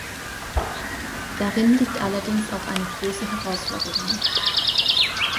Darin liegt allerdings auch eine große Herausforderung.